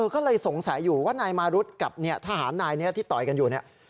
ก็เลยสงสัยอยู่ว่านายมารุธกับทหารนายนี้ที่ต่อยกันอยู่เนี่ย